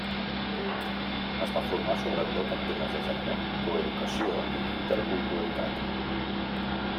Es va formar, sobretot, en temes de gènere, coeducació i interculturalitat.